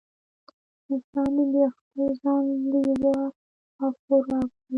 انسان دې د خپل ځان لېوه او خوراک وي.